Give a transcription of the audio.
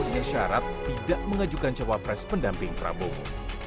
dengan syarat tidak mengajukan cawapres pendamping prabowo